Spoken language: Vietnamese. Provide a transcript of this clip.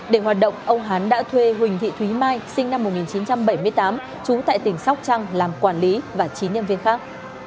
để hoạt động ông hán đã thuê huỳnh thị thúy mai sinh năm một nghìn chín trăm bảy mươi tám trú tại tỉnh sóc trăng làm quản lý và chín nhân viên khác